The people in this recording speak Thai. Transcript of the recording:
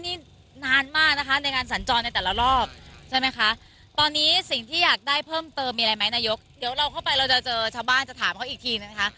นี่นานมากนะคะในการสัญจรในแต่ละรอบใช่ไหมคะตอนนี้สิ่งที่อยากได้เพิ่มเติมมีอะไรไหมนายกเดี๋ยวเราเข้าไปเราจะเจอชาวบ้านจะถามเขาอีกทีนะคะ